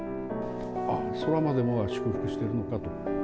ああ、空までもが祝福しているのかという